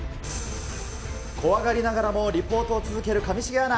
怖がりながらもリポートを続ける上重アナ。